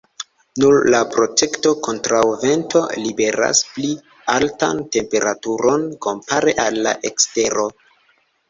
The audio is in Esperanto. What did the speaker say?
Nur la protekto kontraŭ vento „liveras“ pli altan temperaturon kompare al la ekstero.